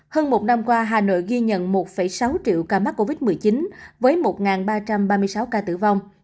hơn một năm qua hà nội ghi nhận một sáu triệu ca mắc covid một mươi chín với một ba trăm ba mươi sáu ca tử vong